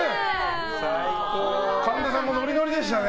神田さんもノリノリでしたね。